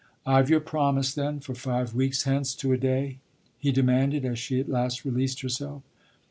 "I've your promise then for five weeks hence to a day?" he demanded as she at last released herself.